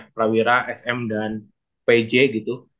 flawira sm dan pj gitu